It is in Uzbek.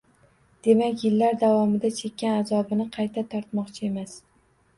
Demak, yillar davomida chekkan azobini qayta tortmoqchi emas...